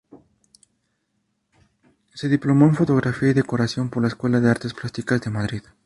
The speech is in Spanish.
Se diplomó en Fotografía y Decoración por la Escuela de Artes Plásticas de Madrid.